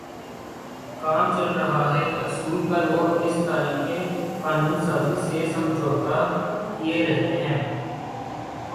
کام چل رہا ہے کے اصول پر وہ اس طریقِ قانون سازی سے سمجھوتاکیے رہتے ہیں